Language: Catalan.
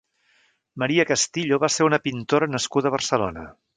Maria Castillo va ser una pintora nascuda a Barcelona.